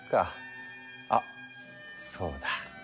あっそうだ。